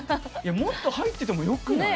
もっと入っててもよくない？